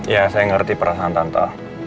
ya saya ngerti perasaan tanta